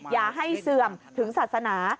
อย่าให้เสื่อมถึงศาสนา